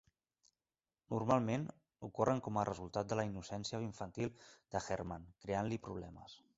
Normalment ocorren com a resultat de la innocència infantil de Herman creant-li problemes.